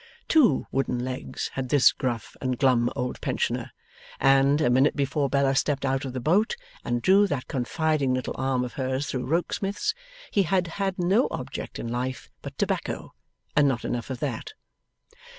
Two wooden legs had this gruff and glum old pensioner, and, a minute before Bella stepped out of the boat, and drew that confiding little arm of hers through Rokesmith's, he had had no object in life but tobacco, and not enough of that.